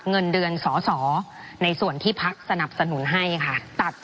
ไม่ได้เป็นประธานคณะกรุงตรี